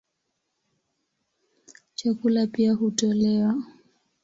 Chakula pia hutolewa.